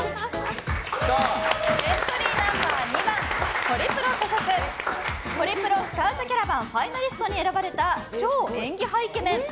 エントリーナンバー２番ホリプロ所属ホリプロスカウトキャラバンファイナリストに選ばれた超演技派イケメン。